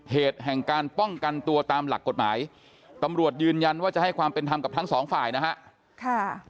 เหตุแห่งการป้องกันตัวตามหลักกฎหมายตำรวจยืนยันว่าจะให้ความเป็นธรรมกับทั้งสองฝ่ายนะฮะ